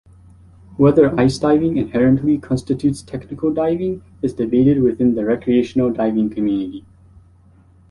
Whether ice diving inherently constitutes technical diving is debated within the recreational diving community.